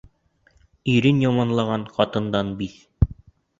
Ирен яманлаған ҡатындан биҙ